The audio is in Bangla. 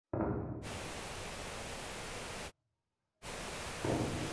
বক্সিং, জুডো কিংবা তায়কোন্দোয় আঞ্চলিক পর্যায়ে দেশটির রয়েছে বেশ কিছু অর্জন।